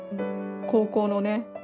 高校のね